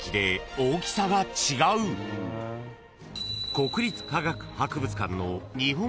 ［国立科学博物館の］